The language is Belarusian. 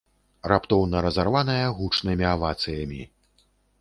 Раптоўна разарваная гучнымі авацыямі.